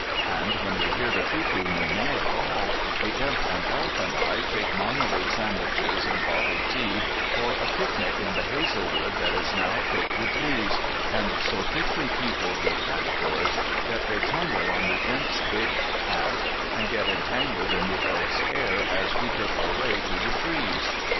And when we hear the cuckoo no more at all, the Imp and Elf and I take marmalade sandwiches and bottled tea for a picnic in the hazel wood that is now thick with leaves, and so thickly peopled with caterpillars that they tumble on the Imp's big hat and get entangled in the Elf's hair as we pick our way through the trees.